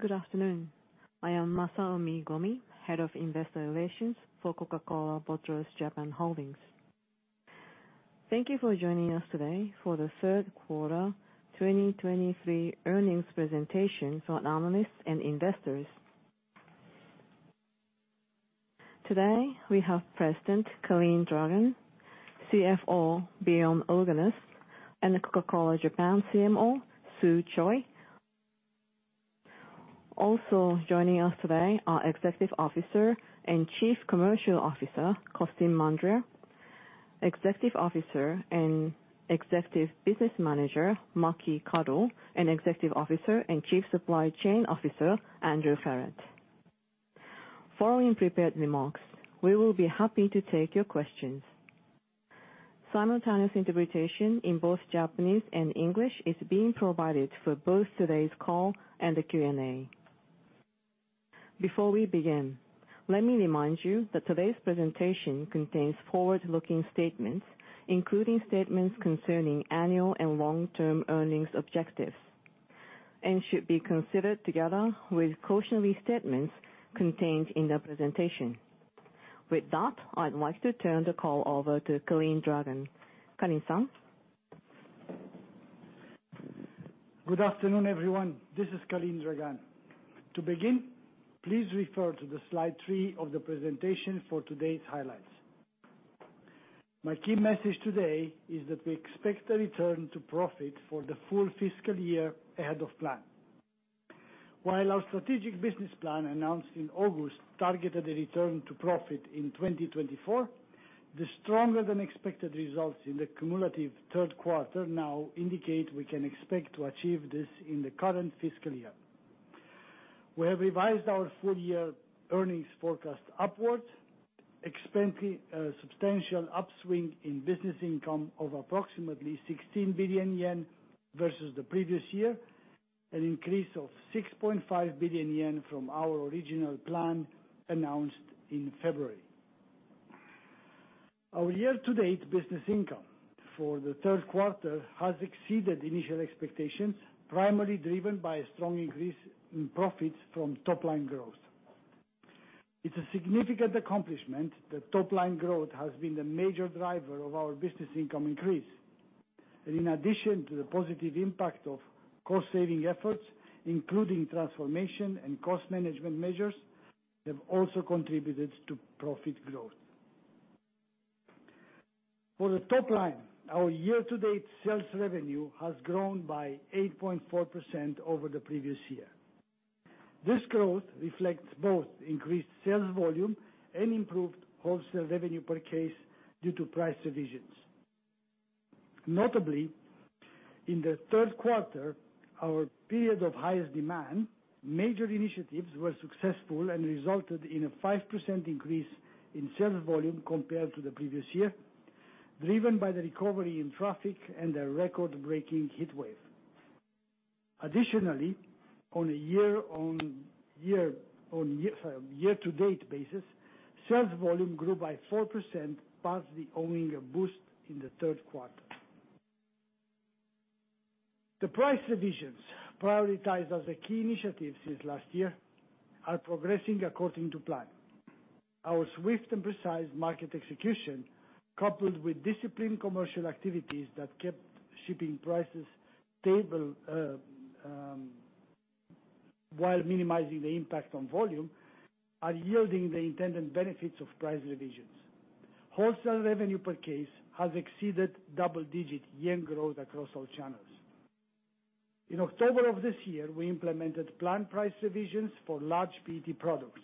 Good afternoon. I am Masaomi Gomi, Head of Investor Relations for Coca-Cola Bottlers Japan Holdings. Thank you for joining us today for the Q3 2023 earnings presentation for analysts and investors. Today, we have President, Calin Dragan, CFO, Bjorn Ulgenes, and the Coca-Cola Japan CMO, Su Choi. Also joining us today are Executive Officer and Chief Commercial Officer, Costin Mandrea, Executive Officer and Executive Business Manager, Maki Kado, and Executive Officer and Chief Supply Chain Officer, Andrew Ferrett. Following prepared remarks, we will be happy to take your questions. Simultaneous interpretation in both Japanese and English is being provided for both today's call and the Q&A. Before we begin, let me remind you that today's presentation contains forward-looking statements, including statements concerning annual and long-term earnings objectives, and should be considered together with cautionary statements contained in the presentation. With that, I'd like to turn the call over to Calin Dragan. Calin, sir? Good afternoon, everyone. This is Calin Dragan. To begin, please refer to the slide 3 of the presentation for today's highlights. My key message today is that we expect a return to profit for the full fiscal year ahead of plan. While our strategic business plan, announced in August, targeted a return to profit in 2024, the stronger than expected results in the cumulative Q3 now indicate we can expect to achieve this in the current fiscal year. We have revised our full year earnings forecast upwards, expecting substantial upswing in business income of approximately 16 billion yen versus the previous year, an increase of 6.5 billion yen from our original plan announced in February. Our year-to-date business income for the Q3 has exceeded initial expectations, primarily driven by a strong increase in profits from top line growth. It's a significant accomplishment that top line growth has been the major driver of our business income increase. In addition to the positive impact of cost saving efforts, including transformation and cost management measures, have also contributed to profit growth. For the top line, our year-to-date sales revenue has grown by 8.4% over the previous year. This growth reflects both increased sales volume and improved wholesale revenue per case due to price revisions. Notably, in the Q3, our period of highest demand, major initiatives were successful and resulted in a 5% increase in sales volume compared to the previous year, driven by the recovery in traffic and a record-breaking heat wave. Additionally, on a year-on-year year-to-date basis, sales volume grew by 4%, partly owing a boost in the Q3. The price revisions, prioritized as a key initiative since last year, are progressing according to plan. Our swift and precise market execution, coupled with disciplined commercial activities that kept shipping prices stable, while minimizing the impact on volume, are yielding the intended benefits of price revisions. Wholesale revenue per case has exceeded double-digit year-end growth across all channels. In October of this year, we implemented planned price revisions for large PET products,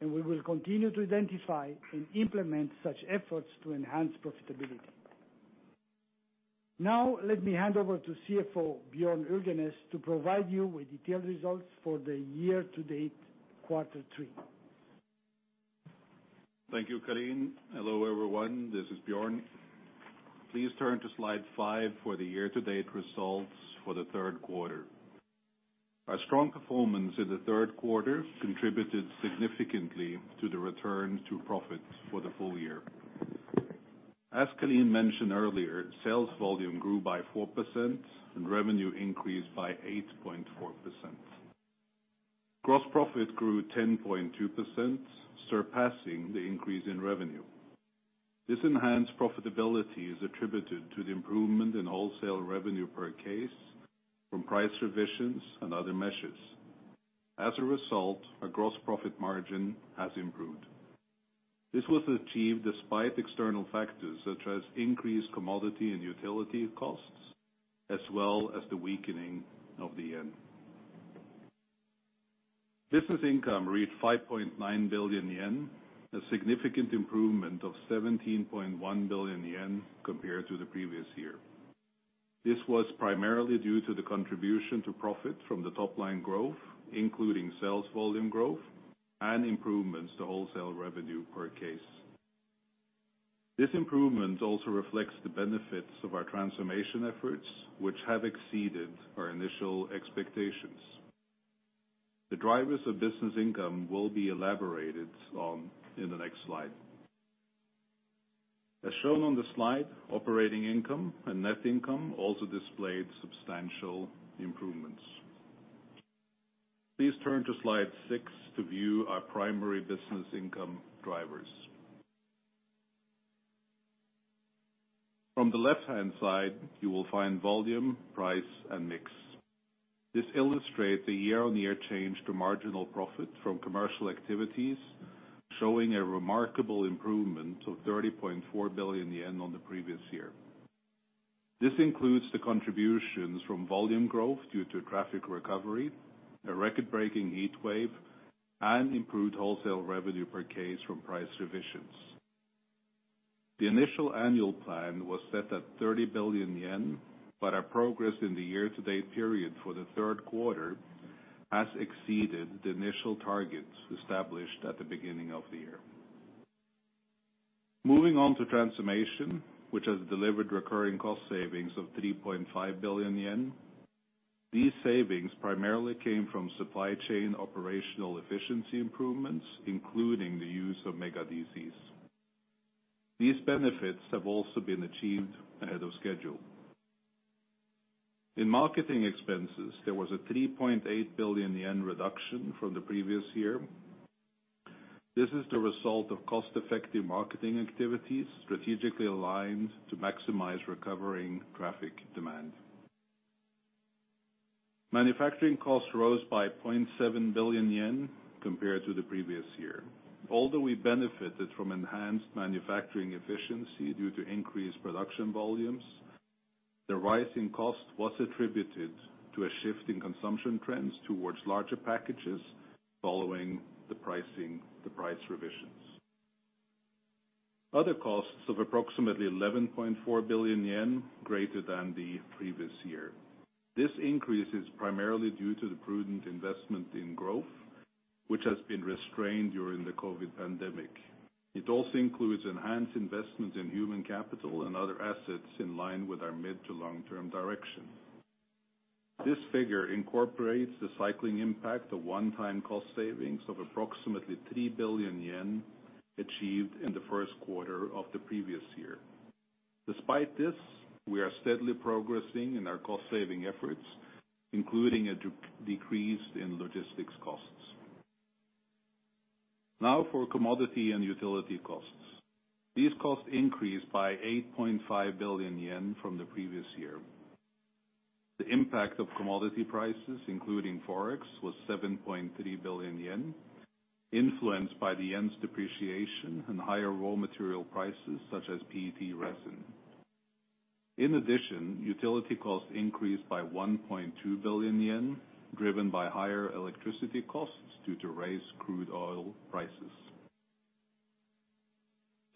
and we will continue to identify and implement such efforts to enhance profitability. Now, let me hand over to CFO, Bjorn Ulgenes, to provide you with detailed results for the year-to-date, quarter three. Thank you, Calin. Hello, everyone, this is Bjorn. Please turn to slide five for the year-to-date results for the Q3. Our strong performance in the Q3 contributed significantly to the return to profit for the full year. As Calin mentioned earlier, sales volume grew by 4% and revenue increased by 8.4%. Gross profit grew 10.2%, surpassing the increase in revenue. This enhanced profitability is attributed to the improvement in wholesale revenue per case from price revisions and other measures. As a result, our gross profit margin has improved. This was achieved despite external factors such as increased commodity and utility costs, as well as the weakening of the yen. Business income reached 5.9 billion yen, a significant improvement of 17.1 billion yen compared to the previous year. This was primarily due to the contribution to profit from the top line growth, including sales volume growth and improvements to wholesale revenue per case. This improvement also reflects the benefits of our transformation efforts, which have exceeded our initial expectations. The drivers of business income will be elaborated on in the next slide. As shown on the slide, operating income and net income also displayed substantial improvements. Please turn to slide six to view our primary business income drivers. From the left-hand side, you will find volume, price, and mix. This illustrates the year-on-year change to marginal profit from commercial activities, showing a remarkable improvement of 30.4 billion yen on the previous year. This includes the contributions from volume growth due to traffic recovery, a record-breaking heatwave, and improved wholesale revenue per case from price revisions. The initial annual plan was set at 30 billion yen, but our progress in the year-to-date period for the Q3 has exceeded the initial targets established at the beginning of the year. Moving on to transformation, which has delivered recurring cost savings of 3.5 billion yen. These savings primarily came from supply chain operational efficiency improvements, including the use of mega DCs. These benefits have also been achieved ahead of schedule. In marketing expenses, there was a 3.8 billion yen reduction from the previous year. This is the result of cost-effective marketing activities, strategically aligned to maximize recovering traffic demand. Manufacturing costs rose by 0.7 billion yen compared to the previous year. Although we benefited from enhanced manufacturing efficiency due to increased production volumes, the rise in cost was attributed to a shift in consumption trends towards larger packages following the pricing, the price revisions. Other costs of approximately 11.4 billion yen, greater than the previous year. This increase is primarily due to the prudent investment in growth, which has been restrained during the COVID pandemic. It also includes enhanced investment in human capital and other assets in line with our mid to long-term direction. This figure incorporates the cycling impact of one-time cost savings of approximately 3 billion yen, achieved in the Q1 of the previous year. Despite this, we are steadily progressing in our cost-saving efforts, including a decrease in logistics costs. Now, for commodity and utility costs. These costs increased by 8.5 billion yen from the previous year. The impact of commodity prices, including Forex, was 7.3 billion yen, influenced by the yen's depreciation and higher raw material prices, such as PET resin. In addition, utility costs increased by 1.2 billion yen, driven by higher electricity costs due to raised crude oil prices.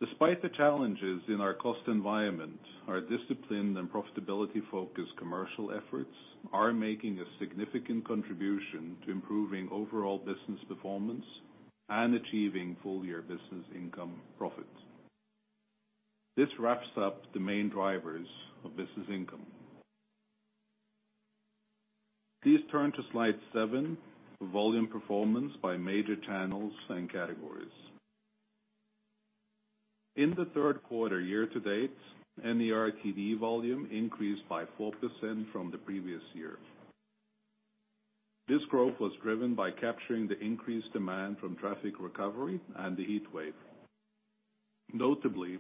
Despite the challenges in our cost environment, our disciplined and profitability-focused commercial efforts are making a significant contribution to improving overall business performance and achieving full-year business income profits. This wraps up the main drivers of business income. Please turn to slide 7, volume performance by major channels and categories. In the Q3, year-to-date, NERTD volume increased by 4% from the previous year. This growth was driven by capturing the increased demand from traffic recovery and the heatwave. Notably,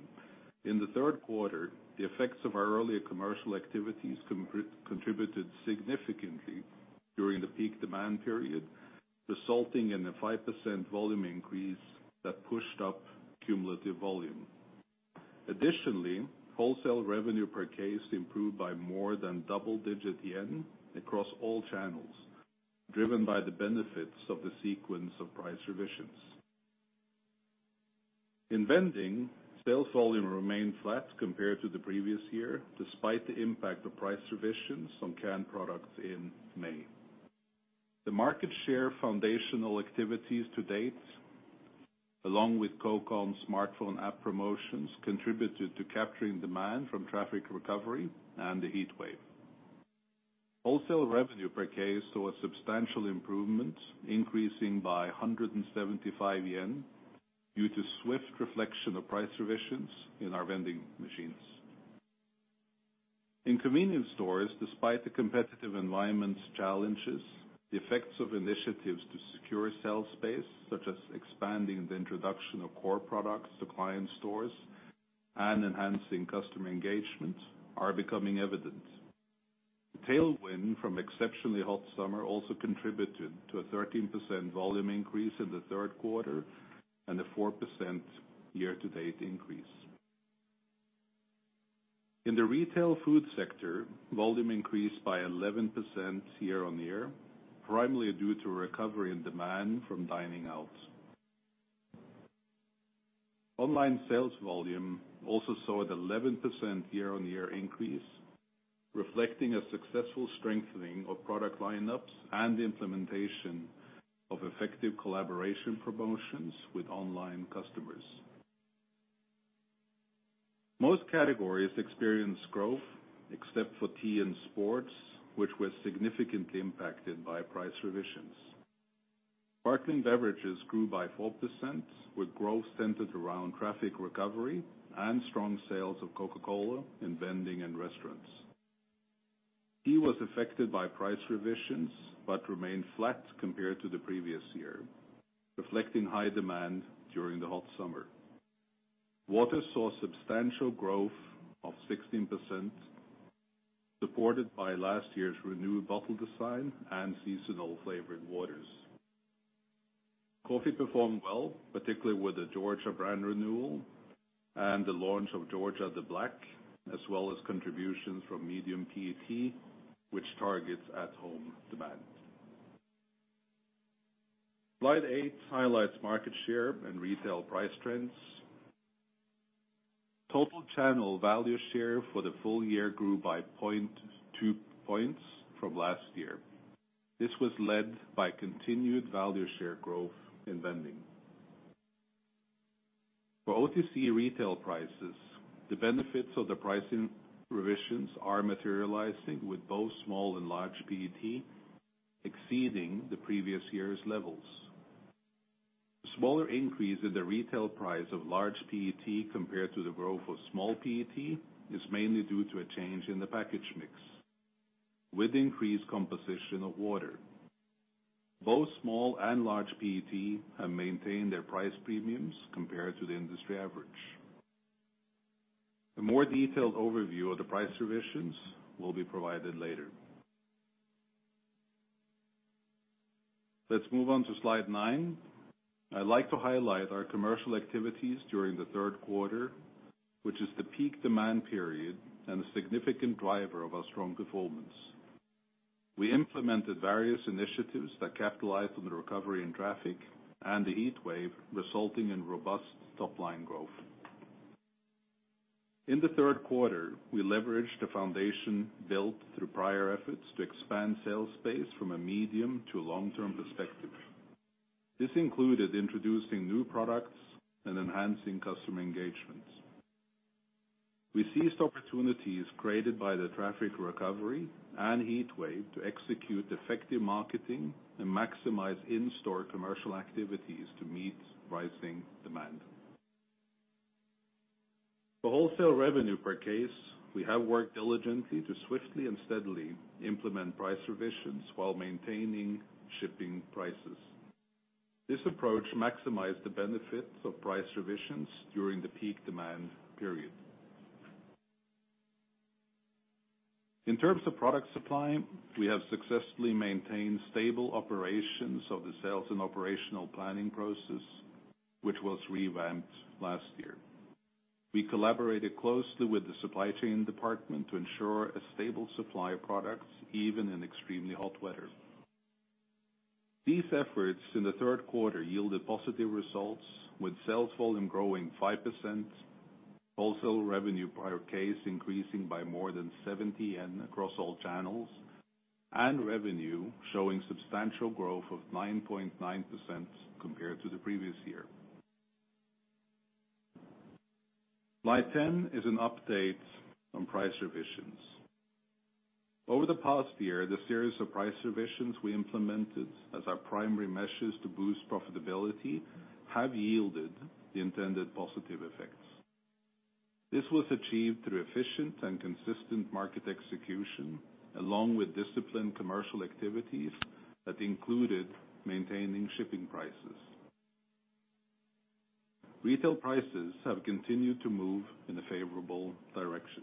in the Q3, the effects of our earlier commercial activities contributed significantly during the peak demand period, resulting in a 5% volume increase that pushed up cumulative volume. Additionally, wholesale revenue per case improved by more than double-digit JPY across all channels, driven by the benefits of the sequence of price revisions. In vending, sales volume remained flat compared to the previous year, despite the impact of price revisions on canned products in May. The market share foundational activities to date, along with Coke ON smartphone app promotions, contributed to capturing demand from traffic recovery and the heatwave. Wholesale revenue per case saw a substantial improvement, increasing by 175 yen, due to swift reflection of price revisions in our vending machines. In convenience stores, despite the competitive environment's challenges, the effects of initiatives to secure sales space, such as expanding the introduction of core products to client stores and enhancing customer engagement, are becoming evident. The tailwind from exceptionally hot summer also contributed to a 13% volume increase in the Q3 and a 4% year-to-date increase. In the retail food sector, volume increased by 11% year-on-year, primarily due to recovery in demand from dining outs. Online sales volume also saw an 11% year-on-year increase, reflecting a successful strengthening of product lineups and the implementation of effective collaboration promotions with online customers. Most categories experienced growth, except for tea and sports, which were significantly impacted by price revisions. Sparkling beverages grew by 4%, with growth centered around traffic recovery and strong sales of Coca-Cola in vending and restaurants. Tea was affected by price revisions, but remained flat compared to the previous year, reflecting high demand during the hot summer. Water saw substantial growth of 16%, supported by last year's renewed bottle design and seasonal flavored waters. Coffee performed well, particularly with the Georgia brand renewal and the launch of Georgia THE Black, as well as contributions from medium PET, which targets at-home demand. Slide 8 highlights market share and retail price trends. Total channel value share for the full year grew by 0.2 points from last year. This was led by continued value share growth in vending. For OTC retail prices, the benefits of the pricing revisions are materializing, with both small and large PET exceeding the previous year's levels. Smaller increase in the retail price of large PET, compared to the growth of small PET, is mainly due to a change in the package mix, with increased composition of water. Both small and large PET have maintained their price premiums compared to the industry average. A more detailed overview of the price revisions will be provided later. Let's move on to slide nine. I'd like to highlight our commercial activities during the Q3, which is the peak demand period and a significant driver of our strong performance. We implemented various initiatives that capitalized on the recovery in traffic and the heat wave, resulting in robust top-line growth. In the Q3, we leveraged a foundation built through prior efforts to expand sales space from a medium to a long-term perspective. This included introducing new products and enhancing customer engagements. We seized opportunities created by the traffic recovery and heat wave to execute effective marketing and maximize in-store commercial activities to meet rising demand. For wholesale revenue per case, we have worked diligently to swiftly and steadily implement price revisions while maintaining shipping prices. This approach maximized the benefits of price revisions during the peak demand period. In terms of product supply, we have successfully maintained stable operations of the sales and operational planning process, which was revamped last year. We collaborated closely with the supply chain department to ensure a stable supply of products, even in extremely hot weather. These efforts in the Q3 yielded positive results, with sales volume growing 5%, wholesale revenue per case increasing by more than 70, and across all channels, and revenue showing substantial growth of 9.9% compared to the previous year. Slide 10 is an update on price revisions. Over the past year, the series of price revisions we implemented as our primary measures to boost profitability, have yielded the intended positive effects. This was achieved through efficient and consistent market execution, along with disciplined commercial activities that included maintaining shipping prices. Retail prices have continued to move in a favorable direction.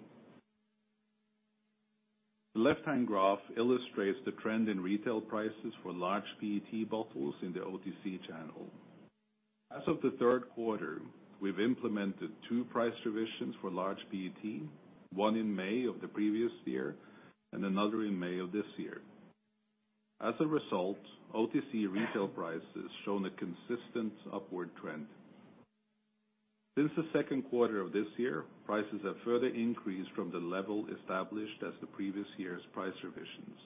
The left-hand graph illustrates the trend in retail prices for large PET bottles in the OTC channel. As of the Q3, we've implemented two price revisions for large PET, one in May of the previous year and another in May of this year. As a result, OTC retail prices shown a consistent upward trend. Since the Q2 of this year, prices have further increased from the level established as the previous year's price revisions.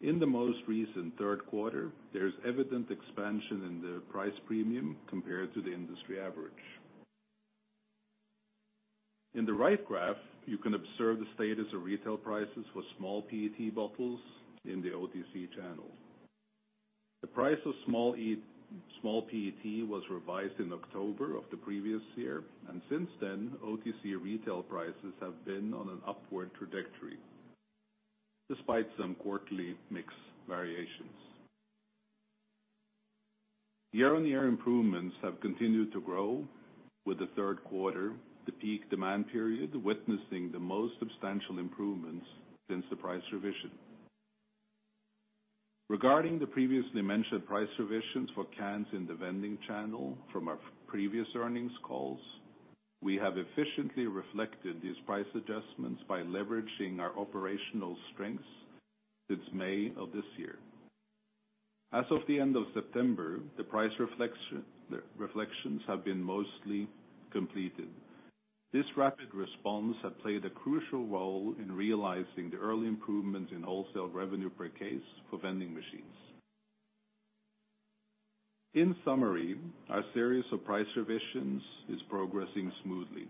In the most recent Q3, there is evident expansion in the price premium compared to the industry average. In the right graph, you can observe the status of retail prices for small PET bottles in the OTC channel. The price of small PET was revised in October of the previous year, and since then, OTC retail prices have been on an upward trajectory, despite some quarterly mix variations. Year-on-year improvements have continued to grow with the Q3, the peak demand period, witnessing the most substantial improvements since the price revision. Regarding the previously mentioned price revisions for cans in the vending channel from our previous earnings calls, we have efficiently reflected these price adjustments by leveraging our operational strengths since May of this year. As of the end of September, the price reflections have been mostly completed. This rapid response had played a crucial role in realizing the early improvement in wholesale revenue per case for vending machines. In summary, our series of price revisions is progressing smoothly.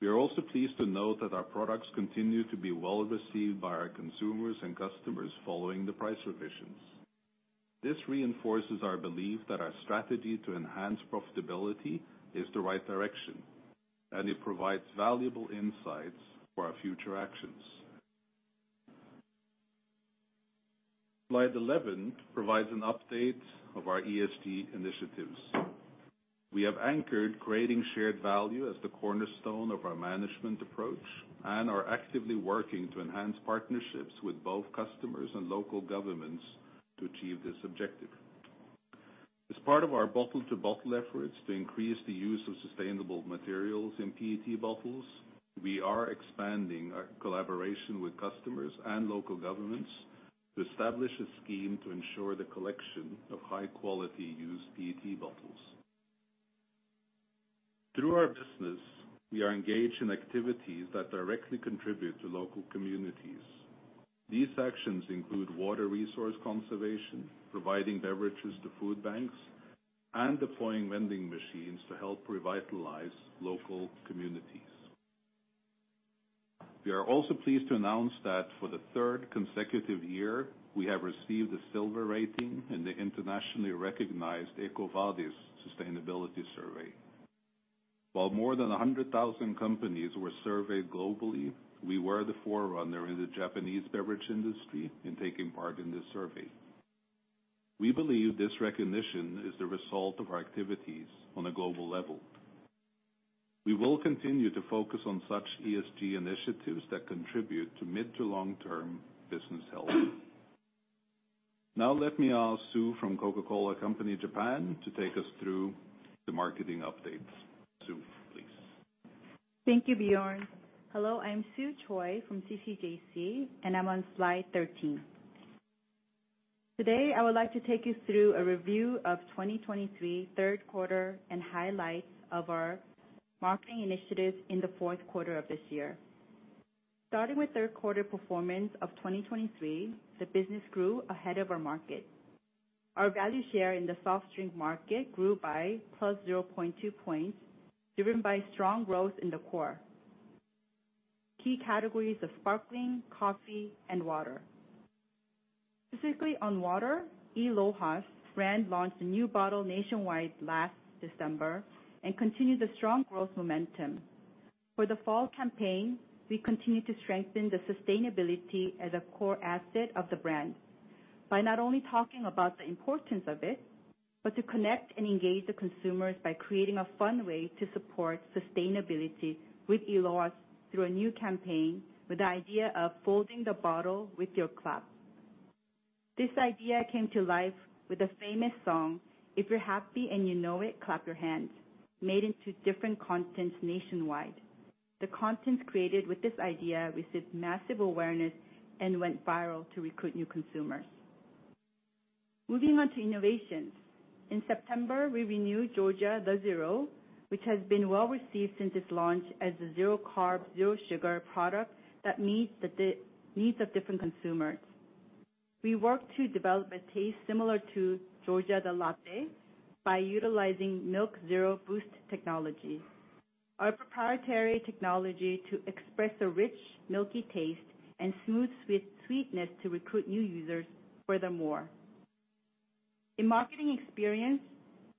We are also pleased to note that our products continue to be well received by our consumers and customers following the price revisions. This reinforces our belief that our strategy to enhance profitability is the right direction, and it provides valuable insights for our future actions. Slide 11 provides an update of our ESG initiatives. We have anchored creating shared value as the cornerstone of our management approach, and are actively working to enhance partnerships with both customers and local governments to achieve this objective. As part of our bottle-to-bottle efforts to increase the use of sustainable materials in PET bottles, we are expanding our collaboration with customers and local governments to establish a scheme to ensure the collection of high-quality used PET bottles. Through our business, we are engaged in activities that directly contribute to local communities. These actions include water resource conservation, providing beverages to food banks, and deploying vending machines to help revitalize local communities. We are also pleased to announce that for the third consecutive year, we have received a silver rating in the internationally recognized EcoVadis Sustainability Survey. While more than 100,000 companies were surveyed globally, we were the forerunner in the Japanese beverage industry in taking part in this survey. We believe this recognition is the result of our activities on a global level. We will continue to focus on such ESG initiatives that contribute to mid to long-term business health. Now let me ask Su from Coca-Cola Company, Japan, to take us through the marketing updates. Su, please. Thank you, Bjorn. Hello, I'm Su Choi from CCJC, and I'm on slide 13. Today, I would like to take you through a review of 2023 Q3, and highlights of our marketing initiatives in the Q4 of this year. Starting with Q3 performance of 2023, the business grew ahead of our market. Our value share in the soft drink market grew by +0.2 points, driven by strong growth in the core. Key categories of sparkling, coffee, and water. Specifically on water, iLOHAS brand launched a new bottle nationwide last December and continued the strong growth momentum. For the fall campaign, we continued to strengthen the sustainability as a core asset of the brand by not only talking about the importance of it, but to connect and engage the consumers by creating a fun way to support sustainability with iLOHAS through a new campaign, with the idea of folding the bottle with your clap. This idea came to life with a famous song, If You're Happy and You Know It, Clap Your Hands, made into different contents nationwide. The content created with this idea received massive awareness and went viral to recruit new consumers. Moving on to innovations. In September, we renewed Georgia THE Zero, which has been well received since its launch as a zero carb, zero sugar product that meets the diverse needs of different consumers. We worked to develop a taste similar to Georgia THE Latte by utilizing Milk Zero Boost technology, our proprietary technology to express a rich, milky taste and smooth sweet, sweetness to recruit new users furthermore. In marketing experience,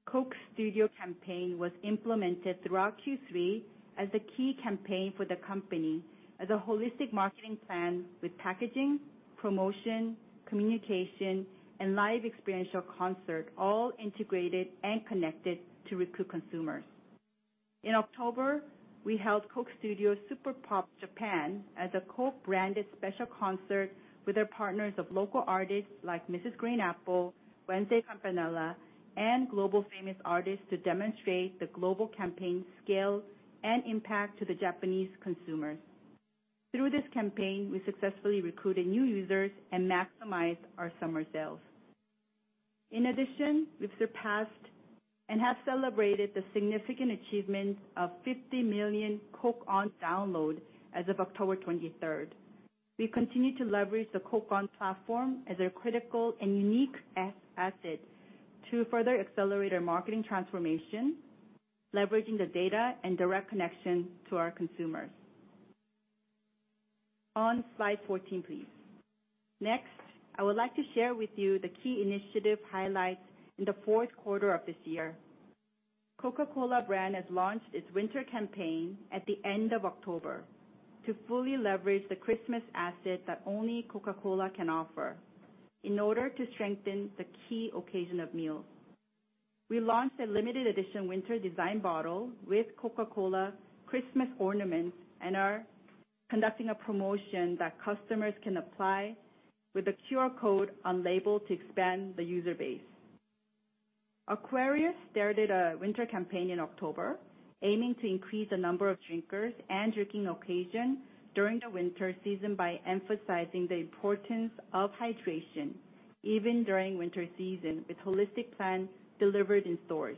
Coke Studio campaign was implemented throughout Q3 as the key campaign for the company, as a holistic marketing plan with packaging, promotion, communication, and live experiential concert, all integrated and connected to recruit consumers. In October, we held Coke Studio SuperPop Japan as a Coke-branded special concert with our partners of local artists like Mrs. GREEN APPLE, Wednesday Campanella, and global famous artists, to demonstrate the global campaign scale and impact to the Japanese consumers. Through this campaign, we successfully recruited new users and maximized our summer sales. In addition, we've surpassed and have celebrated the significant achievement of 50 million Coke ON download as of October 23rd. We continue to leverage the Coke ON platform as a critical and unique asset to further accelerate our marketing transformation, leveraging the data and direct connection to our consumers. On slide 14, please. Next, I would like to share with you the key initiative highlights in the Q4 of this year. Coca-Cola brand has launched its winter campaign at the end of October to fully leverage the Christmas asset that only Coca-Cola can offer in order to strengthen the key occasion of meals. We launched a limited edition winter design bottle with Coca-Cola Christmas ornaments and are conducting a promotion that customers can apply with a QR code on label to expand the user base. Aquarius started a winter campaign in October, aiming to increase the number of drinkers and drinking occasion during the winter season, by emphasizing the importance of hydration even during winter season, with holistic plan delivered in stores.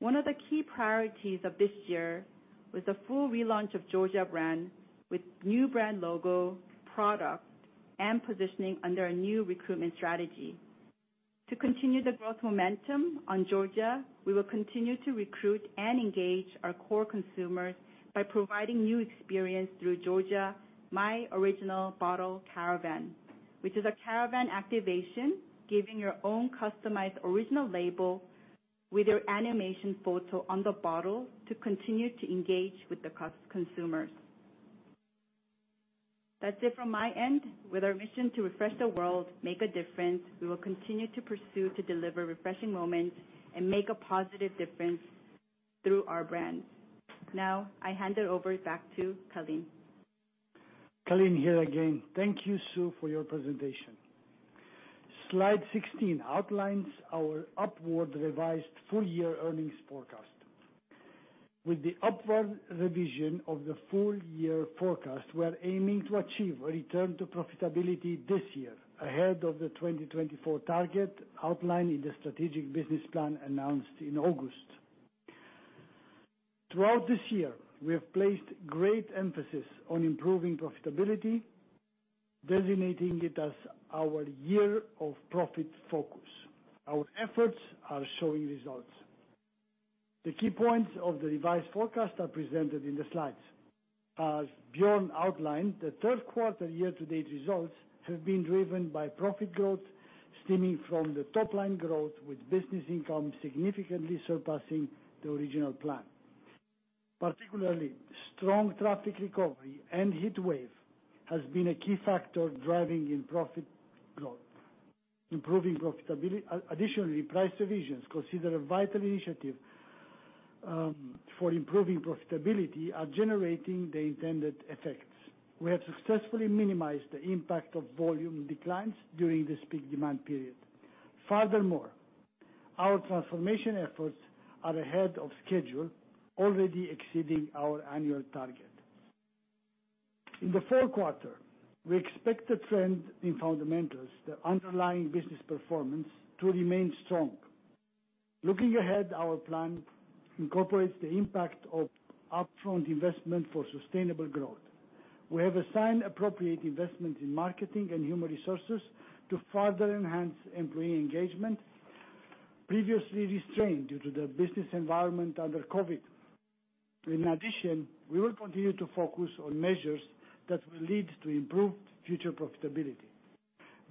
One of the key priorities of this year was the full relaunch of Georgia brand, with new brand logo, product, and positioning under a new recruitment strategy.... To continue the growth momentum on Georgia, we will continue to recruit and engage our core consumers by providing new experience through Georgia, my original bottle caravan, which is a caravan activation, giving your own customized original label with your animation photo on the bottle to continue to engage with the consumers. That's it from my end. With our mission to refresh the world, make a difference, we will continue to pursue to deliver refreshing moments and make a positive difference through our brand. Now, I hand it over back to Calin. Calin here again. Thank you, Su, for your presentation. Slide 16 outlines our upward revised full-year earnings forecast. With the upward revision of the full-year forecast, we are aiming to achieve a return to profitability this year, ahead of the 2024 target outlined in the strategic business plan announced in August. Throughout this year, we have placed great emphasis on improving profitability, designating it as our Year of Profit Focus. Our efforts are showing results. The key points of the revised forecast are presented in the slides. As Bjorn outlined, the Q3 year-to-date results have been driven by profit growth stemming from the top line growth, with business income significantly surpassing the original plan. Particularly, strong traffic recovery and heat wave has been a key factor driving in profit growth. Improving profitability. Additionally, price revisions, considered a vital initiative, for improving profitability, are generating the intended effects. We have successfully minimized the impact of volume declines during this peak demand period. Furthermore, our transformation efforts are ahead of schedule, already exceeding our annual target. In the Q4, we expect the trend in fundamentals, the underlying business performance, to remain strong. Looking ahead, our plan incorporates the impact of upfront investment for sustainable growth. We have assigned appropriate investment in marketing and human resources to further enhance employee engagement, previously restrained due to the business environment under COVID. In addition, we will continue to focus on measures that will lead to improved future profitability.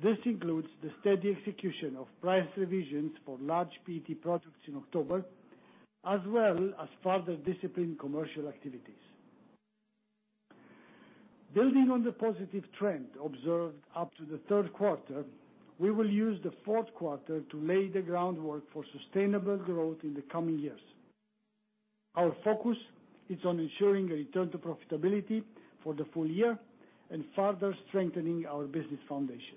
This includes the steady execution of price revisions for large PET products in October, as well as further disciplined commercial activities. Building on the positive trend observed up to the Q3, we will use the Q4 to lay the groundwork for sustainable growth in the coming years. Our focus is on ensuring a return to profitability for the full year and further strengthening our business foundation.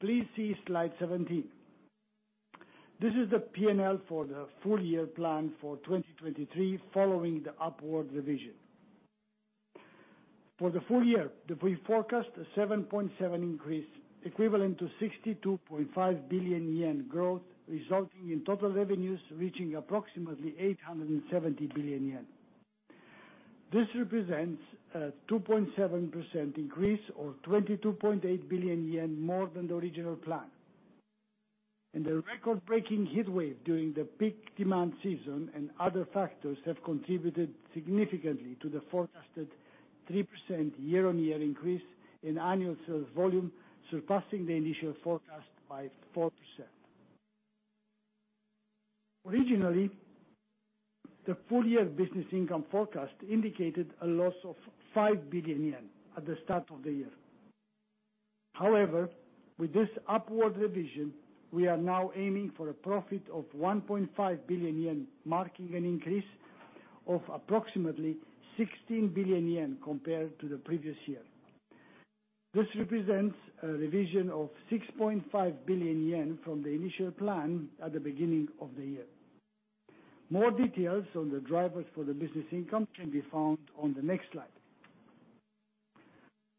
Please see slide 17. This is the P&L for the full year plan for 2023, following the upward revision. For the full year, we forecast a 7.7% increase, equivalent to 62.5 billion yen growth, resulting in total revenues reaching approximately 870 billion yen. This represents a 2.7% increase, or 22.8 billion yen more than the original plan. The record-breaking heat wave during the peak demand season and other factors have contributed significantly to the forecasted 3% year-on-year increase in annual sales volume, surpassing the initial forecast by 4%. Originally, the full year business income forecast indicated a loss of 5 billion yen at the start of the year. However, with this upward revision, we are now aiming for a profit of 1.5 billion yen, marking an increase of approximately 16 billion yen compared to the previous year. This represents a revision of 6.5 billion yen from the initial plan at the beginning of the year. More details on the drivers for the business income can be found on the next slide.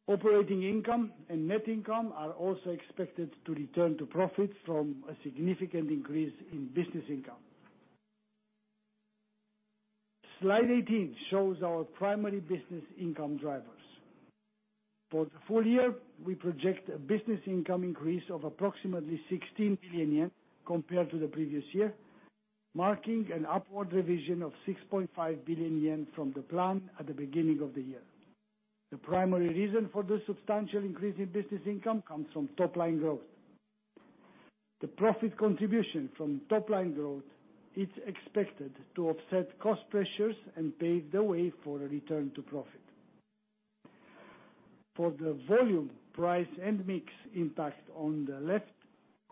Operating income and net income are also expected to return to profits from a significant increase in business income. Slide 18 shows our primary business income drivers. For the full year, we project a business income increase of approximately 16 billion yen compared to the previous year, marking an upward revision of 6.5 billion yen from the plan at the beginning of the year. The primary reason for this substantial increase in business income comes from top-line growth. The profit contribution from top-line growth is expected to offset cost pressures and pave the way for a return to profit. For the volume, price, and mix impact on the left,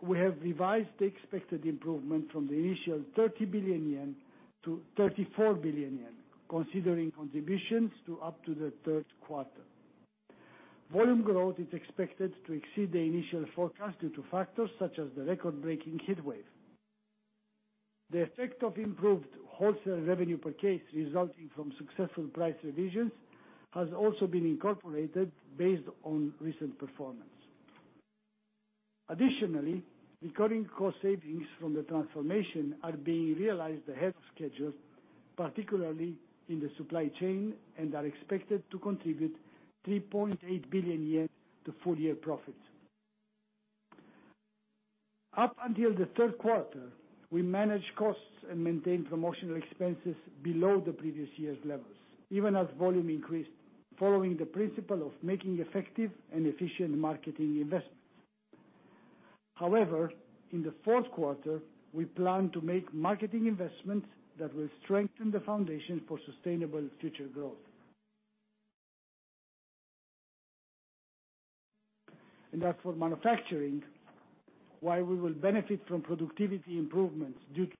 we have revised the expected improvement from the initial 30 billion yen to 34 billion yen, considering contributions to up to the Q3. Volume growth is expected to exceed the initial forecast due to factors such as the record-breaking heat wave. The effect of improved wholesale revenue per case, resulting from successful price revisions, has also been incorporated based on recent performance. Additionally, recurring cost savings from the transformation are being realized ahead of schedule. Particularly in the supply chain, and are expected to contribute 3.8 billion yen to full-year profits. Up until the Q3, we managed costs and maintained promotional expenses below the previous year's levels, even as volume increased, following the principle of making effective and efficient marketing investments. However, in the Q4, we plan to make marketing investments that will strengthen the foundation for sustainable future growth. And as for manufacturing, while we will benefit from productivity improvements due to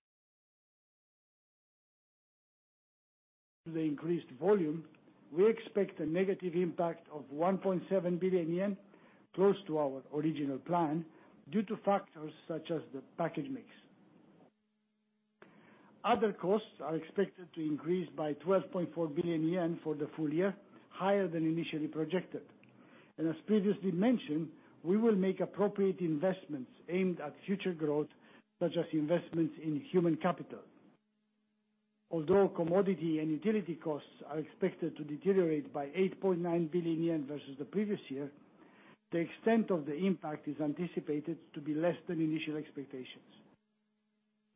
the increased volume, we expect a negative impact of 1.7 billion yen, close to our original plan, due to factors such as the package mix. Other costs are expected to increase by 12.4 billion yen for the full year, higher than initially projected. As previously mentioned, we will make appropriate investments aimed at future growth, such as investments in human capital. Although commodity and utility costs are expected to deteriorate by 8.9 billion yen versus the previous year, the extent of the impact is anticipated to be less than initial expectations.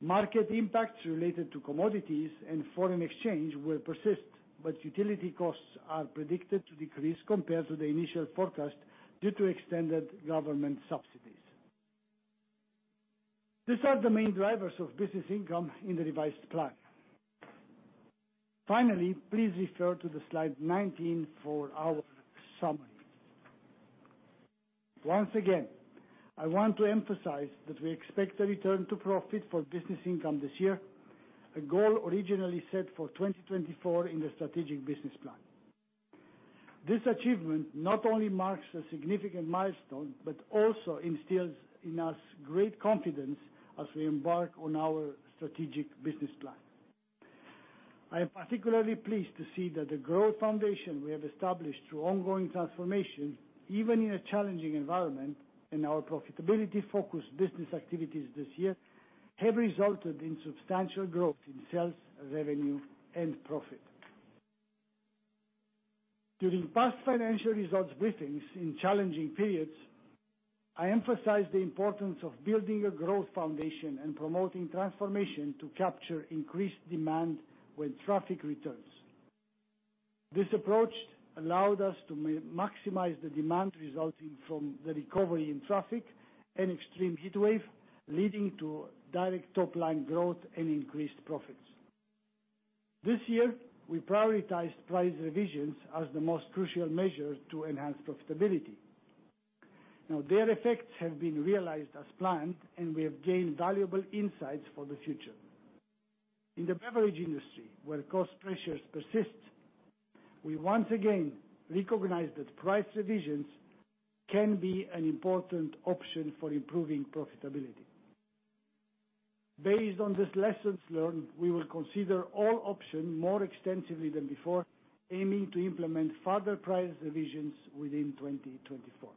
Market impacts related to commodities and foreign exchange will persist, but utility costs are predicted to decrease compared to the initial forecast due to extended government subsidies. These are the main drivers of business income in the revised plan. Finally, please refer to the slide 19 for our summary. Once again, I want to emphasize that we expect a return to profit for business income this year, a goal originally set for 2024 in the strategic business plan. This achievement not only marks a significant milestone, but also instills in us great confidence as we embark on our strategic business plan. I am particularly pleased to see that the growth foundation we have established through ongoing transformation, even in a challenging environment, and our profitability-focused business activities this year, have resulted in substantial growth in sales, revenue, and profit. During past financial results briefings in challenging periods, I emphasized the importance of building a growth foundation and promoting transformation to capture increased demand when traffic returns. This approach allowed us to maximize the demand resulting from the recovery in traffic and extreme heat wave, leading to direct top line growth and increased profits. This year, we prioritized price revisions as the most crucial measure to enhance profitability. Now, their effects have been realized as planned, and we have gained valuable insights for the future. In the beverage industry, where cost pressures persist, we once again recognize that price revisions can be an important option for improving profitability. Based on these lessons learned, we will consider all options more extensively than before, aiming to implement further price revisions within 2024.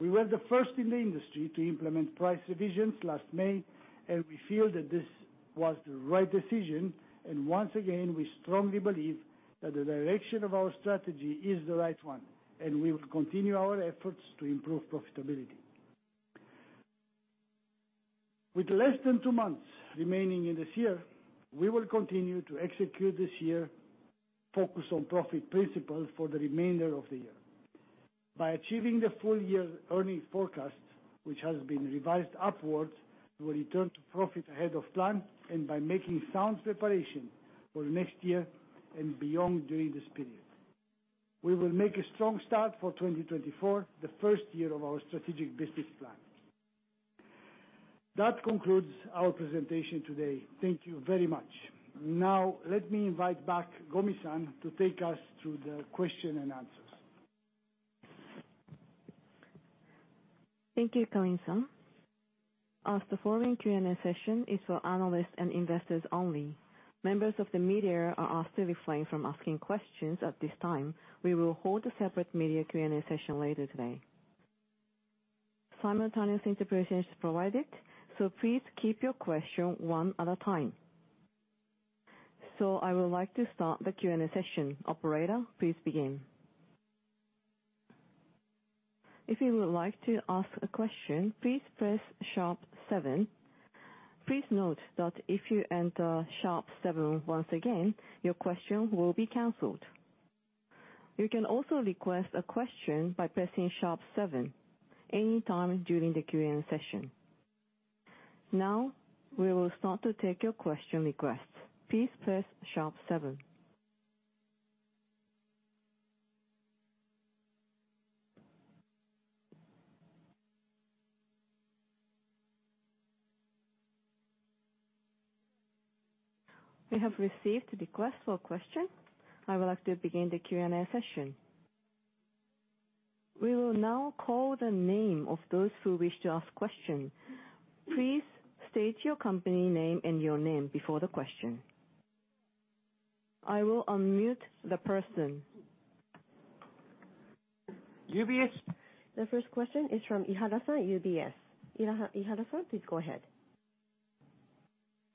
We were the first in the industry to implement price revisions last May, and we feel that this was the right decision, and once again, we strongly believe that the direction of our strategy is the right one, and we will continue our efforts to improve profitability. With less than two months remaining in this year, we will continue to execute this year focused on profit principles for the remainder of the year. By achieving the full year earnings forecast, which has been revised upwards, we will return to profit ahead of plan and by making sound preparation for next year and beyond during this period. We will make a strong start for 2024, the first year of our strategic business plan. That concludes our presentation today. Thank you very much. Now, let me invite back Gomi-san to take us through the question and answers. Thank you, Calin-san. As the following Q&A session is for analysts and investors only, members of the media are asked to refrain from asking questions at this time. We will hold a separate media Q&A session later today. Simultaneous interpretation is provided, so please keep your question one at a time. So I would like to start the Q&A session. Operator, please begin. If you would like to ask a question, please press sharp seven. Please note that if you enter sharp seven once again, your question will be canceled. You can also request a question by pressing sharp seven any time during the Q&A session. Now, we will start to take your question requests. Please press sharp seven. We have received a request for a question. I would like to begin the Q&A session. We will now call the name of those who wish to ask questions. Please state your company name and your name before the question. I will unmute the person.... UBS? The first question is from Ihara- San, UBS. Ihara, Ihara- San, please go ahead.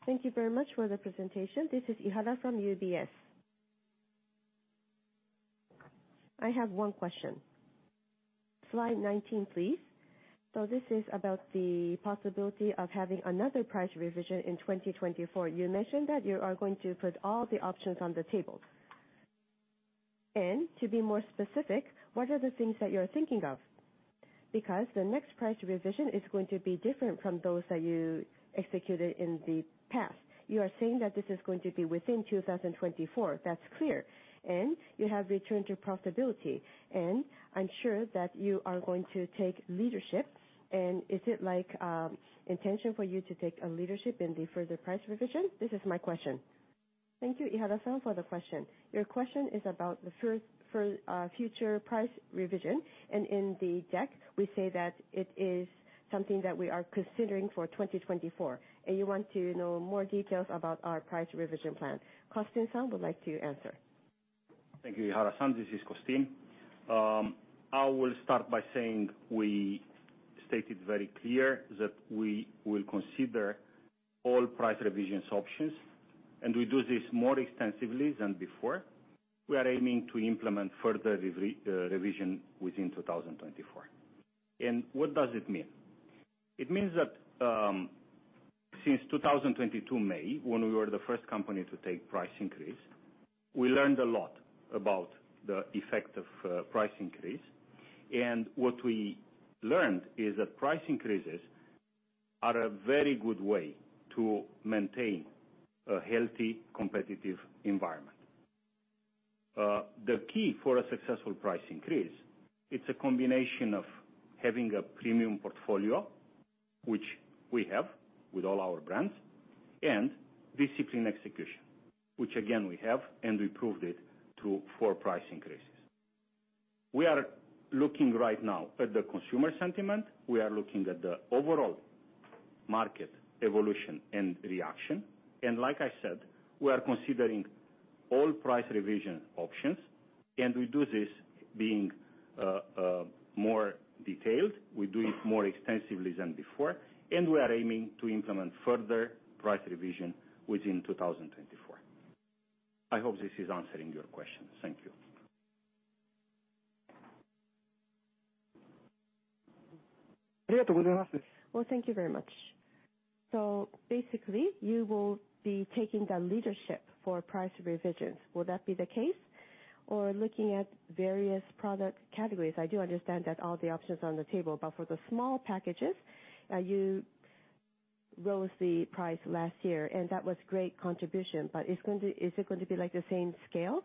Thank you very much for the presentation. This is Ihara -San from UBS. I have one question. Slide 19, please. So this is about the possibility of having another price revision in 2024. You mentioned that you are going to put all the options on the table. And to be more specific, what are the things that you're thinking of? Because the next price revision is going to be different from those that you executed in the past. You are saying that this is going to be within 2024, that's clear, and you have returned to profitability, and I'm sure that you are going to take leadership. And is it like, intention for you to take a leadership in the further price revision? This is my question. Thank you, Ihara- San, for the question. Your question is about the first, for, future price revision, and in the deck, we say that it is something that we are considering for 2024, and you want to know more details about our price revision plan. Costin-San would like to answer. Thank you, Ihara San. This is Costin. I will start by saying, we stated very clear that we will consider all price revisions options, and we do this more extensively than before. We are aiming to implement further revision within 2024. And what does it mean? It means that, since May 2022, when we were the first company to take price increase, we learned a lot about the effect of, price increase. And what we learned is that price increases are a very good way to maintain a healthy, competitive environment. The key for a successful price increase, it's a combination of having a premium portfolio, which we have with all our brands, and discipline execution, which again, we have, and we proved it through four price increases. We are looking right now at the consumer sentiment. We are looking at the overall market evolution and reaction, and like I said, we are considering all price revision options, and we do this being more detailed. We do it more extensively than before, and we are aiming to implement further price revision within 2024. I hope this is answering your question. Thank you. Well, thank you very much. So basically, you will be taking the leadership for price revisions. Will that be the case? Or looking at various product categories, I do understand that all the options on the table, but for the small packages, you rose the price last year, and that was great contribution, but it's going to-- is it going to be like the same scale?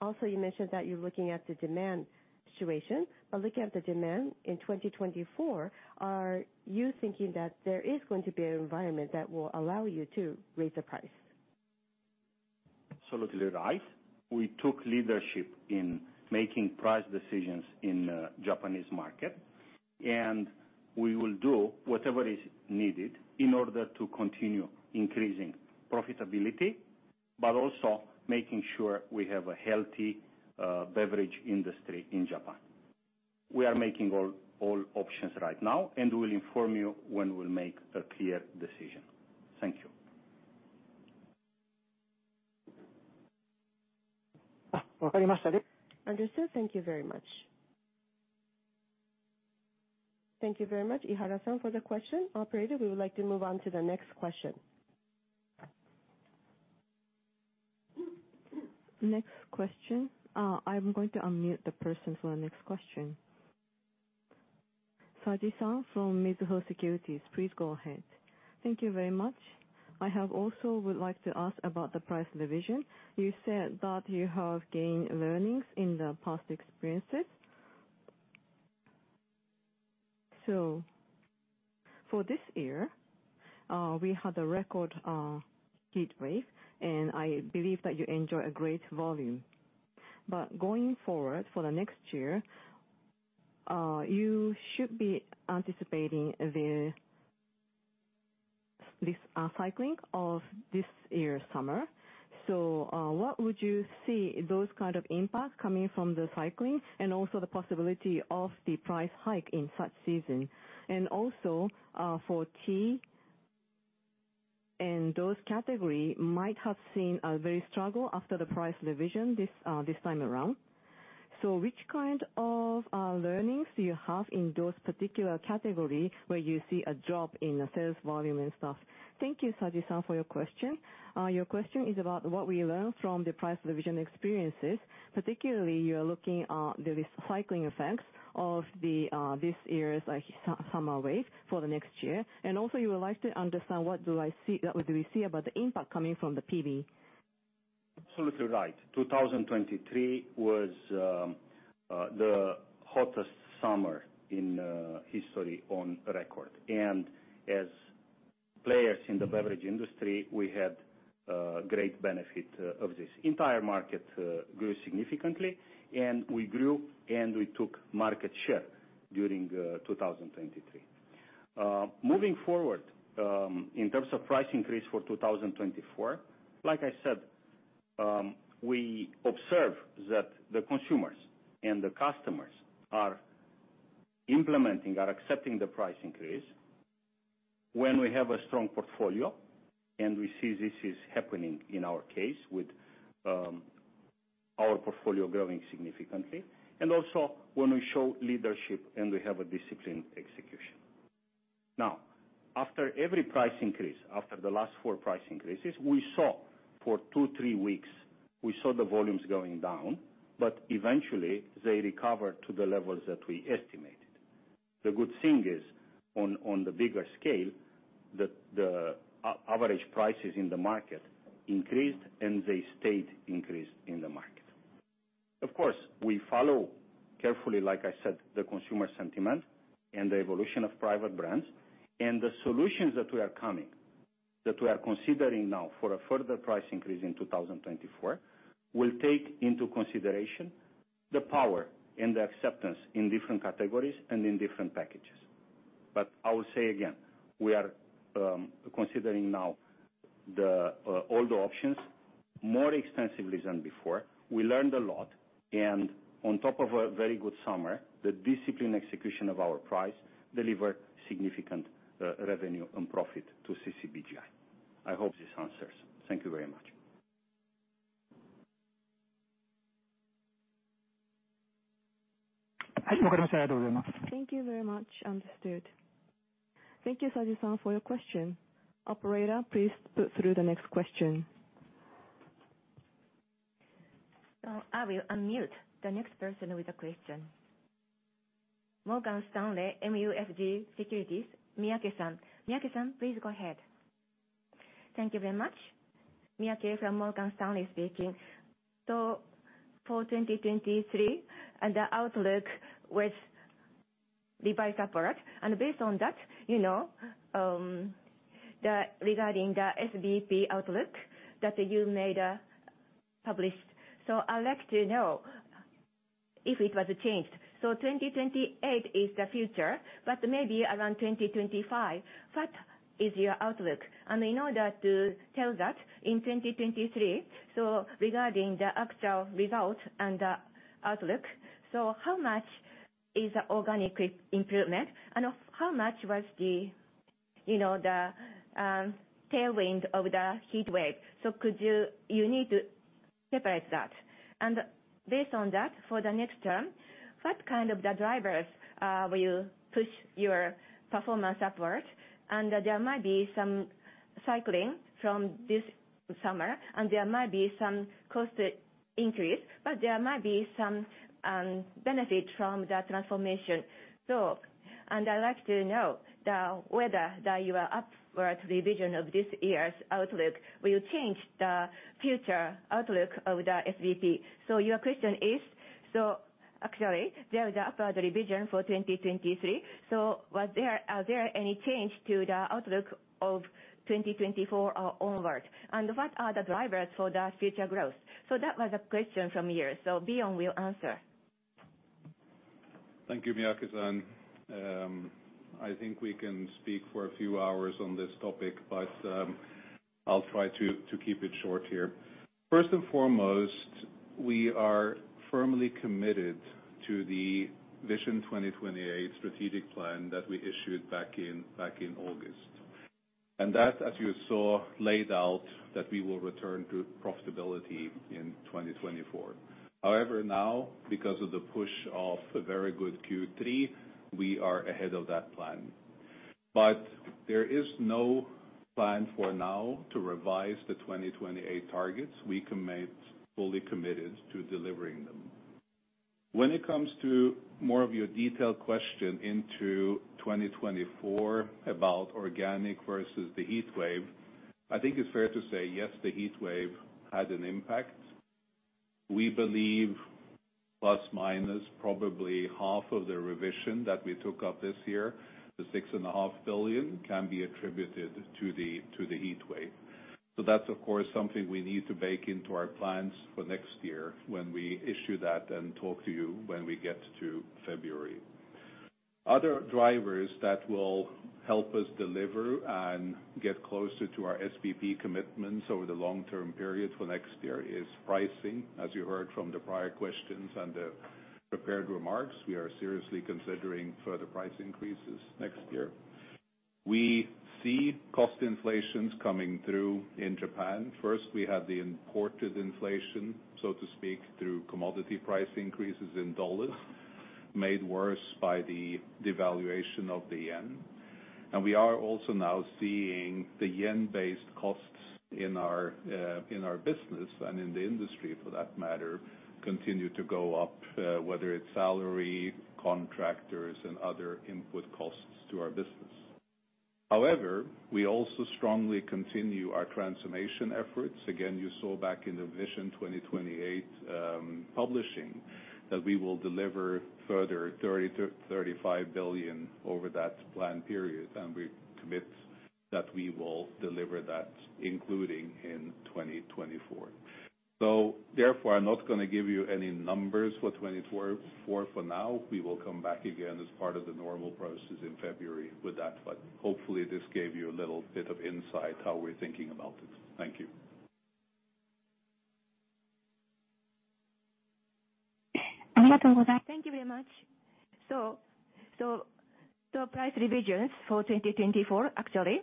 Also, you mentioned that you're looking at the demand situation, but looking at the demand in 2024, are you thinking that there is going to be an environment that will allow you to raise the price? Absolutely right. We took leadership in making price decisions in Japanese market, and we will do whatever is needed in order to continue increasing profitability, but also making sure we have a healthy beverage industry in Japan. We are making all options right now, and we will inform you when we'll make a clear decision. Thank you. Understood. Thank you very much. Thank you very much, Ihara-San, for the question. Operator, we would like to move on to the next question. Next question. I'm going to unmute the person for the next question. Saji-san from Mizuho Securities, please go ahead. Thank you very much. I have also would like to ask about the price revision. You said that you have gained learnings in the past experiences. So for this year, we had a record heat wave, and I believe that you enjoy a great volume. But going forward, for the next year, you should be anticipating this cycling of this year's summer. So, what would you see those kind of impacts coming from the cycling and also the possibility of the price hike in such season? And also, for tea, and those category might have seen a very struggle after the price revision this time around. Which kind of learnings do you have in those particular category where you see a drop in sales volume and stuff? Thank you, Saji-san, for your question. Your question is about what we learned from the price revision experiences. Particularly, you are looking at the recycling effects of this year's summer wave for the next year. And also you would like to understand what do I see, what do we see about the impact coming from the PV. Absolutely right. 2023 was the hottest summer in history on record. As players in the beverage industry, we had great benefit of this. Entire market grew significantly, and we grew, and we took market share during 2023. Moving forward, in terms of price increase for 2024, like I said, we observe that the consumers and the customers are implementing, are accepting the price increase when we have a strong portfolio, and we see this is happening in our case with our portfolio growing significantly, and also when we show leadership and we have a disciplined execution. Now, after every price increase, after the last 4 price increases, we saw for two to three weeks, we saw the volumes going down, but eventually they recovered to the levels that we estimated. The good thing is, on the bigger scale, the average prices in the market increased, and they stayed increased in the market. Of course, we follow carefully, like I said, the consumer sentiment and the evolution of private brands, and the solutions that we are considering now for a further price increase in 2024 will take into consideration the power and the acceptance in different categories and in different packages. But I will say again, we are considering now the all the options more extensively than before. We learned a lot, and on top of a very good summer, the disciplined execution of our price delivered significant revenue and profit to CCBGI. I hope this answers. Thank you very much. Thank you very much. Understood. Thank you, Saji-san, for your question. Operator, please put through the next question. I will unmute the next person with a question. Morgan Stanley MUFG Securities, Miyake-san. Miyake-san, please go ahead. Thank you very much. Miyake from Morgan Stanley speaking. So for 2023, and the outlook with revised upward, and based on that, you know, the regarding the SBP outlook that you made, published. So I'd like to know if it was changed. So 2028 is the future, but maybe around 2025, what is your outlook? And in order to tell that, in 2023, so regarding the actual results and the outlook, so how much is the organic improvement, and of how much was the, you know, the, tailwind of the heat wave? So could you you need to separate that. And based on that, for the next term, what kind of the drivers, will you push your performance upward? There might be some cycling from this summer, and there might be some cost increase, but there might be some benefit from the transformation. So, I'd like to know whether your upward revision of this year's outlook will change the future outlook of the SBP. So your question is, so actually, there is upward revision for 2023, so are there any change to the outlook of 2024 or onward? And what are the drivers for the future growth? So that was a question from here, so Bjorn will answer. Thank you, Miyake-san. I think we can speak for a few hours on this topic, but, I'll try to keep it short here. First and foremost, we are firmly committed to the Vision 2028 strategic plan that we issued back in, back in August. That, as you saw, laid out that we will return to profitability in 2024. However, now, because of the push of a very good Q3, we are ahead of that plan. There is no plan for now to revise the 2028 targets. We commit, fully committed to delivering them. When it comes to more of your detailed question into 2024 about organic versus the heat wave, I think it's fair to say, yes, the heat wave had an impact. We believe ± probably half of the revision that we took up this year, the 6.5 billion, can be attributed to the heat wave. So that's, of course, something we need to bake into our plans for next year when we issue that and talk to you when we get to February. Other drivers that will help us deliver and get closer to our SBP commitments over the long-term period for next year is pricing. As you heard from the prior questions and the prepared remarks, we are seriously considering further price increases next year. We see cost inflations coming through in Japan. First, we had the imported inflation, so to speak, through commodity price increases in dollars, made worse by the devaluation of the yen. We are also now seeing the yen-based costs in our, in our business, and in the industry, for that matter, continue to go up, whether it's salary, contractors, and other input costs to our business. However, we also strongly continue our transformation efforts. Again, you saw back in the Vision 2028, publishing, that we will deliver further 30 billion-35 billion over that plan period, and we commit that we will deliver that, including in 2024. So therefore, I'm not gonna give you any numbers for 2024 for now. We will come back again as part of the normal processes in February with that, but hopefully, this gave you a little bit of insight how we're thinking about it. Thank you.... Thank you very much. So, price revisions for 2024, actually,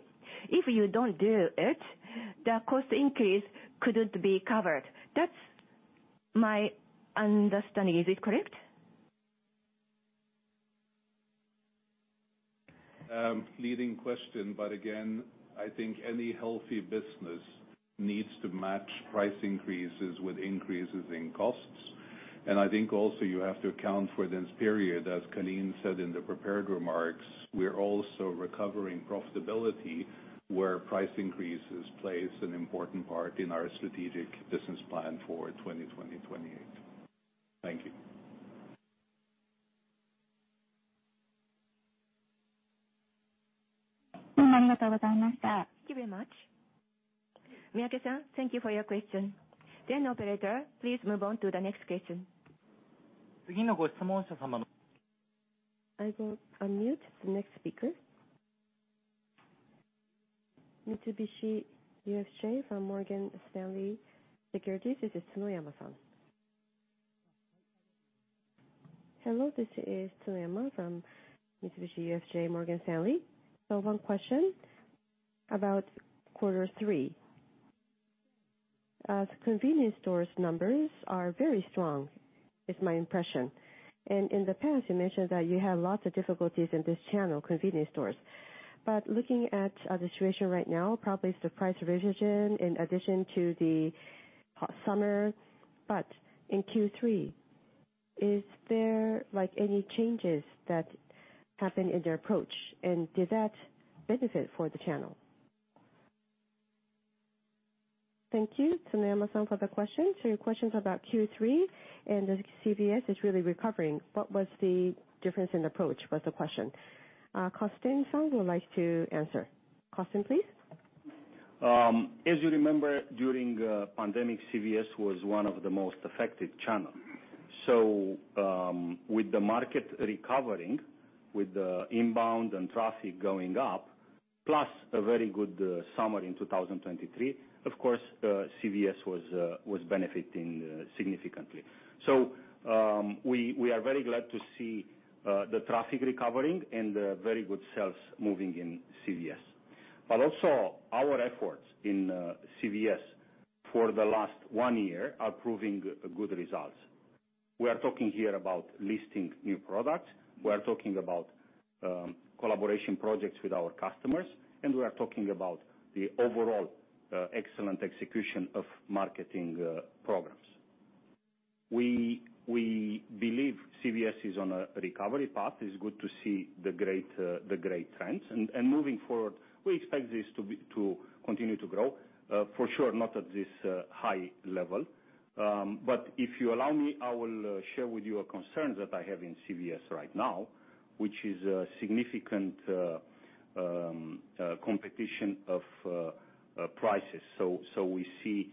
if you don't do it, the cost increase couldn't be covered. That's my understanding. Is it correct? Leading question, but again, I think any healthy business needs to match price increases with increases in costs. And I think also you have to account for this period, as Calin said in the prepared remarks, we're also recovering profitability, where price increases plays an important part in our strategic business plan for 2028. Thank you. Thank you very much. Miyake-san, thank you for your question. Then, operator, please move on to the next question. I will unmute the next speaker. Mitsubishi UFJ Morgan Stanley Securities, this is Tsuneyama-san. Hello, this is Tsuneyama from Mitsubishi UFJ Morgan Stanley. So one question about quarter three. Convenience stores numbers are very strong, is my impression, and in the past you mentioned that you have lots of difficulties in this channel, convenience stores. But looking at the situation right now, probably it's the price revision in addition to the summer, but in Q3, is there, like, any changes that happened in your approach, and did that benefit for the channel? Thank you, Tsuneyama-san, for the question. So your question's about Q3, and the CVS is really recovering. What was the difference in approach, was the question. Costin-san would like to answer. Costin, please. As you remember, during pandemic, CVS was one of the most affected channel. So, with the market recovering, with the inbound and traffic going up, plus a very good summer in 2023, of course, CVS was benefiting significantly. So, we are very glad to see the traffic recovering and very good sales moving in CVS. But also, our efforts in CVS for the last one year are proving good results. We are talking here about listing new products. We are talking about collaboration projects with our customers, and we are talking about the overall excellent execution of marketing programs. We believe CVS is on a recovery path. It's good to see the great trends. Moving forward, we expect this to be, to continue to grow, for sure, not at this high level. But if you allow me, I will share with you a concern that I have in CVS right now, which is a significant competition of prices. So we see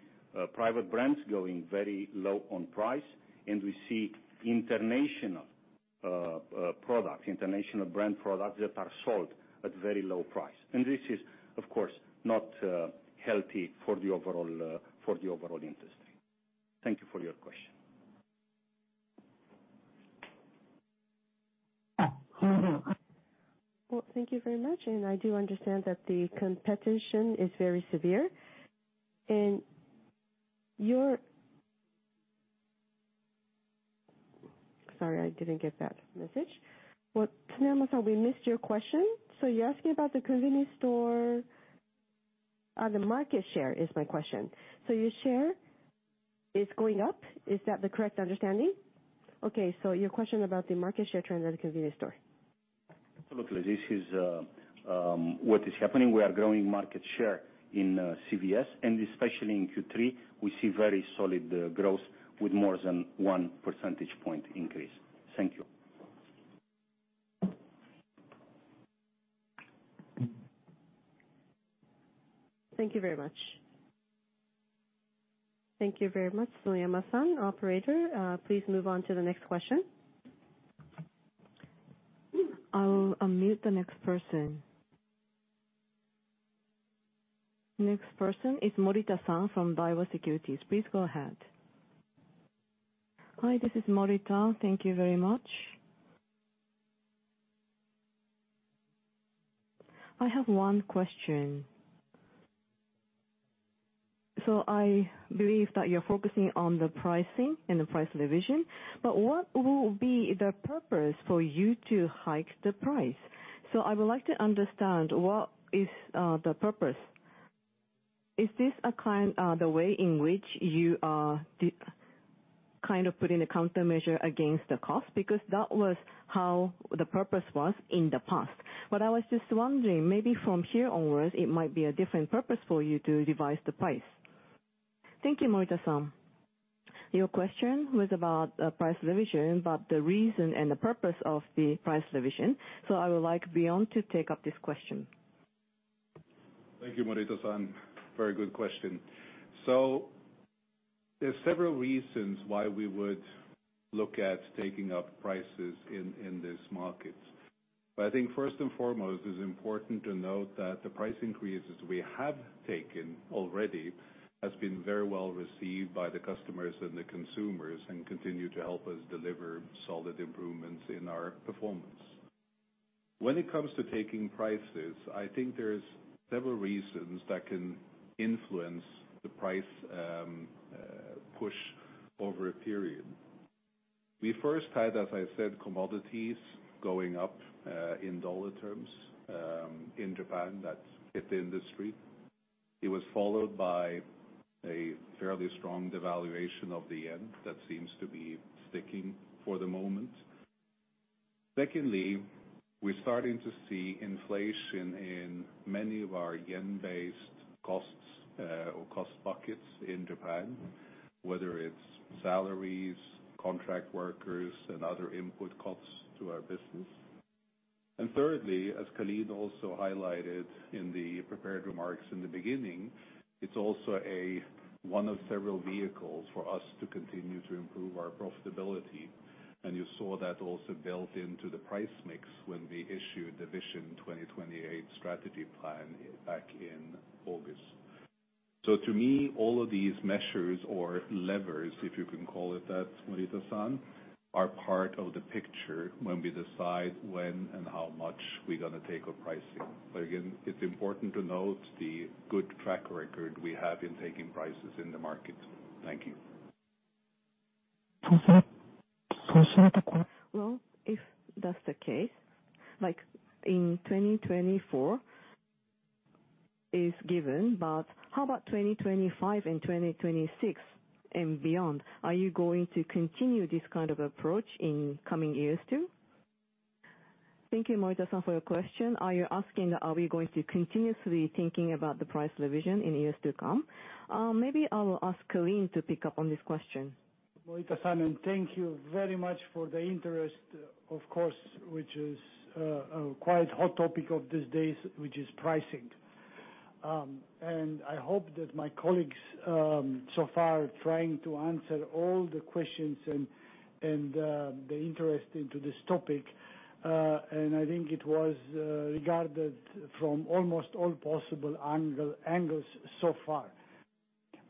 private brands going very low on price, and we see international products, international brand products, that are sold at very low price. And this is, of course, not healthy for the overall, for the overall industry. Thank you for your question. Well, thank you very much, and I do understand that the competition is very severe. And your... Sorry, I didn't get that message. Well, Tsuneyama-san, we missed your question. So you're asking about the convenience store, the market share, is my question. So your question about the market share trend at the convenience store. Absolutely. This is what is happening. We are growing market share in CVS, and especially in Q3, we see very solid growth with more than one percentage point increase. Thank you. Thank you very much. Thank you very much, Tsuneyama-san. Operator, please move on to the next question. I will unmute the next person. Next person is Morita-san from Daiwa Securities. Please go ahead. Hi, this is Morita. Thank you very much. I have one question. So I believe that you're focusing on the pricing and the price revision, but what will be the purpose for you to hike the price? So I would like to understand what is the purpose. Is this a kind, the way in which you are kind of putting a countermeasure against the cost? Because that was how the purpose was in the past. But I was just wondering, maybe from here onwards, it might be a different purpose for you to revise the price. Thank you, Morita-san. Your question was about price revision, but the reason and the purpose of the price revision, so I would like Bjorn to take up this question. Thank you, Morita-san. Very good question. So there's several reasons why we would look at taking up prices in this market.... But I think first and foremost, it's important to note that the price increases we have taken already has been very well received by the customers and the consumers, and continue to help us deliver solid improvements in our performance. When it comes to taking prices, I think there's several reasons that can influence the price push over a period. We first had, as I said, commodities going up in dollar terms in Japan; that's hit the industry. It was followed by a fairly strong devaluation of the yen that seems to be sticking for the moment. Secondly, we're starting to see inflation in many of our yen-based costs or cost buckets in Japan, whether it's salaries, contract workers, and other input costs to our business. Thirdly, as Calin also highlighted in the prepared remarks in the beginning, it's also one of several vehicles for us to continue to improve our profitability. You saw that also built into the price mix when we issued the Vision 2028 strategy plan back in August. So to me, all of these measures or levers, if you can call it that, Morita-san, are part of the picture when we decide when and how much we're gonna take on pricing. But again, it's important to note the good track record we have in taking prices in the market. Thank you. Well, if that's the case, like, in 2024 is given, but how about 2025 and 2026 and beyond? Are you going to continue this kind of approach in coming years, too? Thank you, Morita-san, for your question. Are you asking, are we going to continuously thinking about the price revision in years to come? Maybe I will ask Calin to pick up on this question. Morita-san, thank you very much for the interest, of course, which is a quite hot topic of these days, which is pricing. And I hope that my colleagues so far are trying to answer all the questions and the interest into this topic. And I think it was regarded from almost all possible angle, angles so far.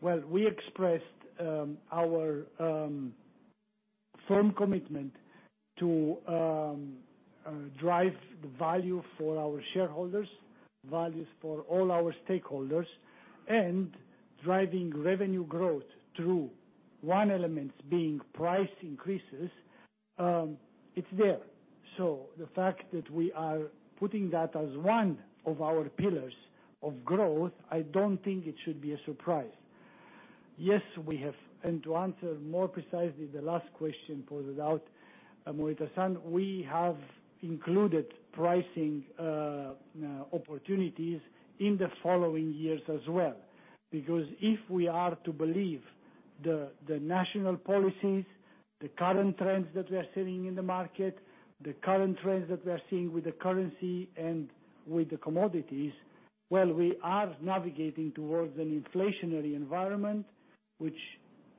Well, we expressed our firm commitment to drive the value for our shareholders, values for all our stakeholders, and driving revenue growth through one element being price increases. It's there. So the fact that we are putting that as one of our pillars of growth, I don't think it should be a surprise. Yes, we have... To answer more precisely, the last question posed out, Morita-san, we have included pricing opportunities in the following years as well, because if we are to believe the national policies, the current trends that we are seeing in the market, the current trends that we are seeing with the currency and with the commodities, well, we are navigating towards an inflationary environment, which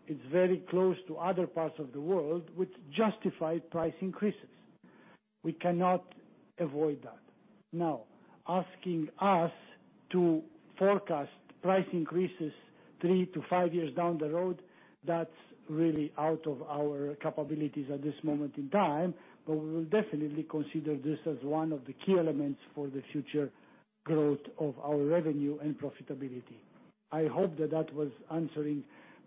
is very close to other parts of the world, which justify price increases. We cannot avoid that. Now, asking us to forecast price increases three to five years down the road, that's really out of our capabilities at this moment in time, but we will definitely consider this as one of the key elements for the future growth of our revenue and profitability. I hope that that was answering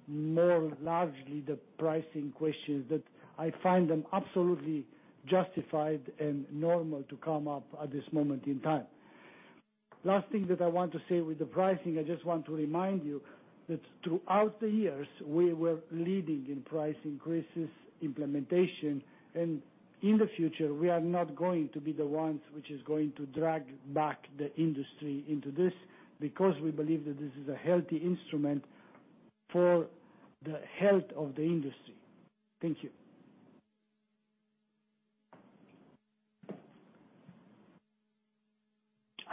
more largely the pricing questions, that I find them absolutely justified and normal to come up at this moment in time. Last thing that I want to say with the pricing, I just want to remind you that throughout the years, we were leading in price increases implementation, and in the future, we are not going to be the ones which is going to drag back the industry into this, because we believe that this is a healthy instrument for the health of the industry. Thank you.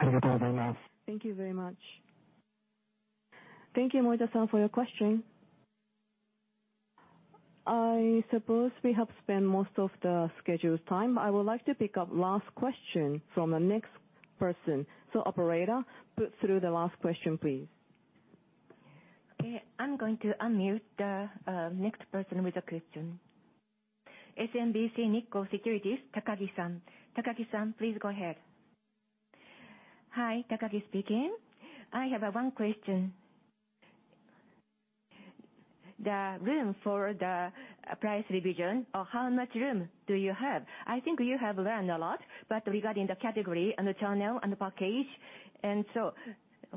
Thank you very much. Thank you, Morita-san, for your question. I suppose we have spent most of the scheduled time. I would like to pick up last question from the next person. So operator, put through the last question, please. Okay, I'm going to unmute the next person with a question. SMBC Nikko Securities, Takagi-san. Takagi-san, please go ahead. Hi, Takagi speaking. I have one question. The room for the price revision, or how much room do you have? I think you have learned a lot, but regarding the category and the channel and the package, and so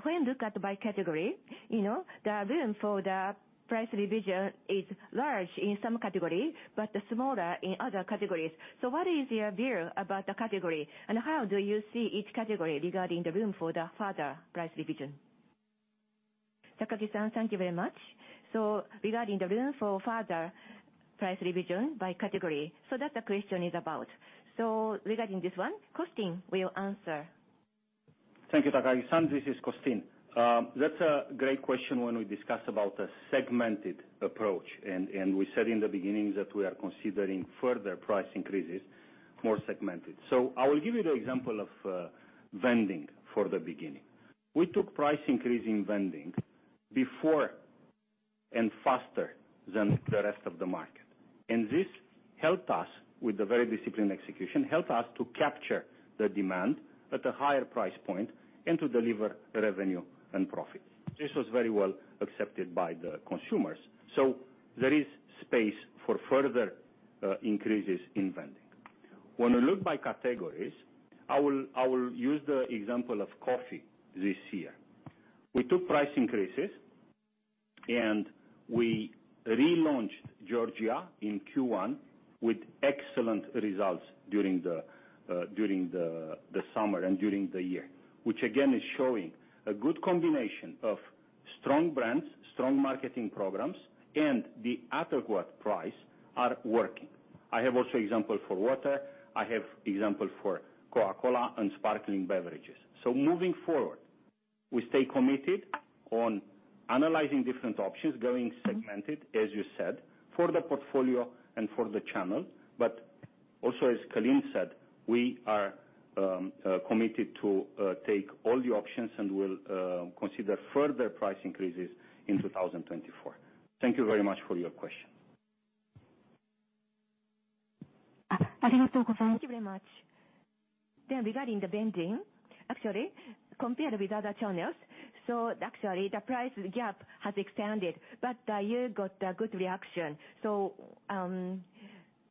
when look at by category, you know, the room for the price revision is large in some categories, but smaller in other categories. So what is your view about the category, and how do you see each category regarding the room for the further price revision? Takagi-san, thank you very much. Regarding the room for further price revision by category, so that's the question is about. Regarding this one, Costin will answer.... Thank you, Takagi-san. This is Costin. That's a great question when we discuss about the segmented approach, and, and we said in the beginning that we are considering further price increases, more segmented. So I will give you the example of vending for the beginning. We took price increase in vending before and faster than the rest of the market, and this helped us with the very disciplined execution, helped us to capture the demand at a higher price point and to deliver revenue and profit. This was very well accepted by the consumers, so there is space for further increases in vending. When we look by categories, I will, I will use the example of coffee this year. We took price increases, and we relaunched Georgia in Q1 with excellent results during the summer and during the year, which again is showing a good combination of strong brands, strong marketing programs, and the adequate price are working. I have also example for water, I have example for Coca-Cola and sparkling beverages. So moving forward, we stay committed on analyzing different options, going segmented, as you said, for the portfolio and for the channel, but also as Calin said, we are committed to take all the options, and we'll consider further price increases in 2024. Thank you very much for your question. Thank you very much. Then regarding the vending, actually, compared with other channels, so actually, the price gap has expanded, but, you got a good reaction. So,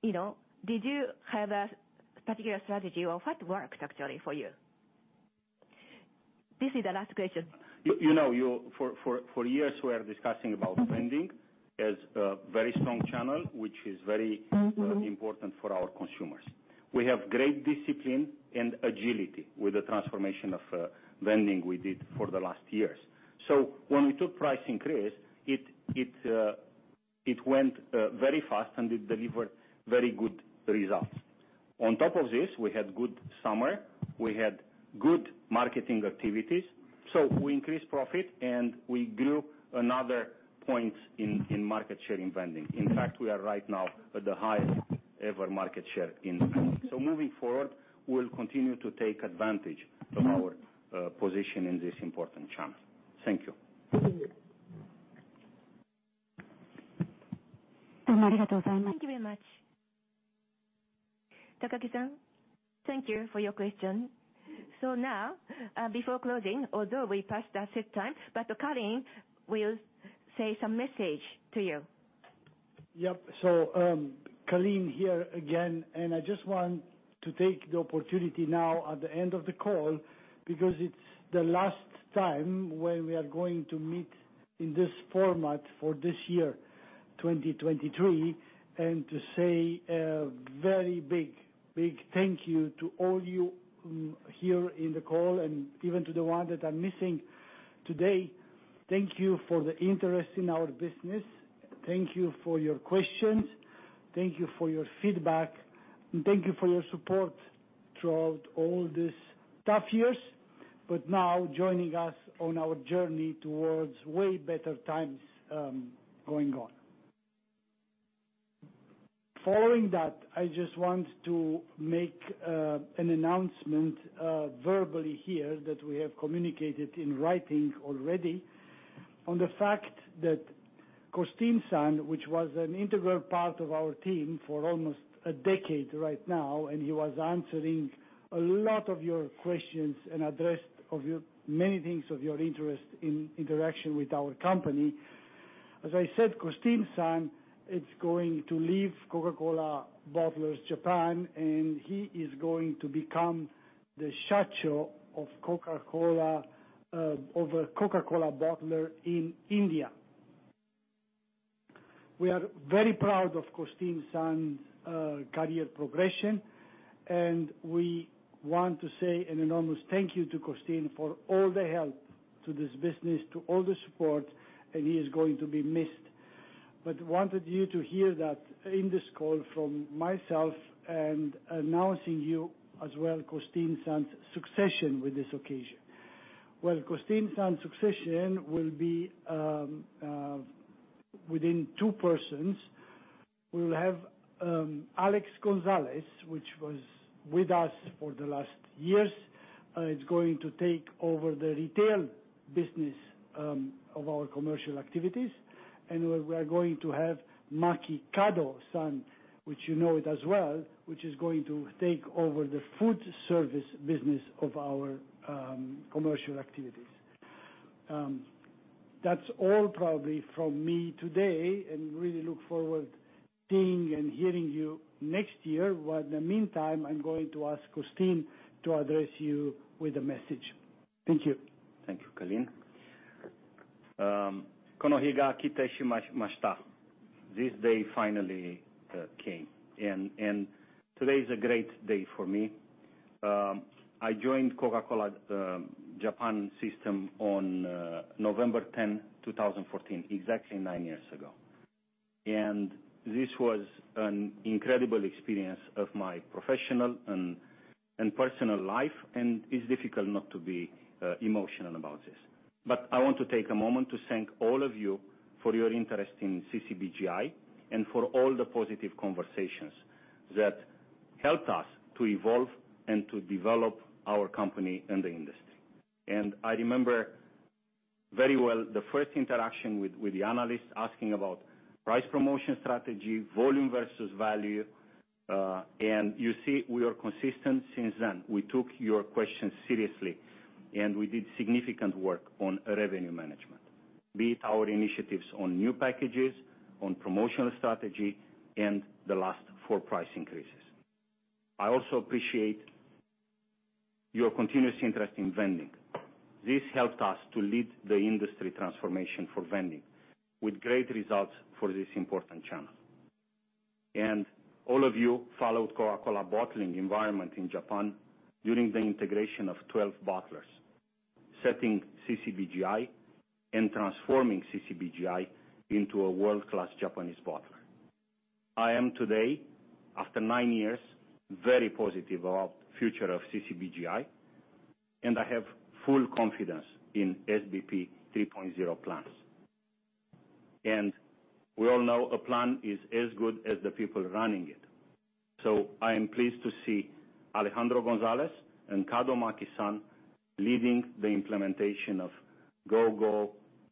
you know, did you have a particular strategy or what worked actually for you? This is the last question. You know, for years we are discussing about vending as a very strong channel, which is very- Mm-hmm... important for our consumers. We have great discipline and agility with the transformation of, vending we did for the last years. So when we took price increase, it went very fast and it delivered very good results. On top of this, we had good summer, we had good marketing activities, so we increased profit, and we grew another point in market share in vending. In fact, we are right now at the highest ever market share in vending. So moving forward, we'll continue to take advantage- Mm-hmm... of our, position in this important channel. Thank you. Thank you very much. Takagi-san, thank you for your question. So now, before closing, although we passed the set time, but Calin will say some message to you. Yep. So, Calin here again, and I just want to take the opportunity now at the end of the call, because it's the last time when we are going to meet in this format for this year, 2023, and to say a very big, big thank you to all you, here in the call and even to the one that are missing today. Thank you for the interest in our business. Thank you for your questions, thank you for your feedback, and thank you for your support throughout all these tough years, but now joining us on our journey towards way better times, going on. Following that, I just want to make an announcement verbally here, that we have communicated in writing already, on the fact that Costin-san, which was an integral part of our team for almost a decade right now, and he was answering a lot of your questions and addressed of your many things of your interest in interaction with our company. As I said, Costin-san is going to leave Coca-Cola Bottlers Japan, and he is going to become the shacho of Coca-Cola of a Coca-Cola bottler in India. We are very proud of Costin-san's career progression, and we want to say an enormous thank you to Costin for all the help to this business, to all the support, and he is going to be missed. But wanted you to hear that in this call from myself and announcing you as well, Costin-san's succession with this occasion. Well, Costin-san's succession will be within two persons. We'll have Alex Gonzalez, which was with us for the last years, is going to take over the retail business of our commercial activities. And we're, we're going to have Maki Kado-san, which you know it as well, which is going to take over the food service business of our commercial activities. That's all probably from me today, and really look forward to seeing and hearing you next year. But in the meantime, I'm going to ask Costin to address you with a message. Thank you. Thank you, Calin. This day finally came, and today is a great day for me. I joined Coca-Cola Japan system on November 10, 2014, exactly nine years ago. This was an incredible experience of my professional and personal life, and it's difficult not to be emotional about this. But I want to take a moment to thank all of you for your interest in CCBJI and for all the positive conversations that helped us to evolve and to develop our company and the industry. I remember very well the first interaction with the analysts, asking about price promotion strategy, volume versus value, and you see, we are consistent since then. We took your questions seriously, and we did significant work on revenue management, be it our initiatives on new packages, on promotional strategy, and the last four price increases. I also appreciate your continuous interest in vending. This helped us to lead the industry transformation for vending, with great results for this important channel. All of you followed Coca-Cola Bottlers' environment in Japan during the integration of 12 bottlers, setting CCBJI and transforming CCBJI into a world-class Japanese bottler. I am today, after nine years, very positive about future of CCBJI, and I have full confidence in SBP 3.0 plans. We all know a plan is as good as the people running it, so I am pleased to see Alejandro Gonzalez and Maki Kado-san leading the implementation of Vision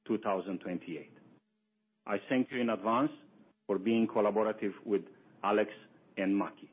2028. I thank you in advance for being collaborative with Alex and Maki.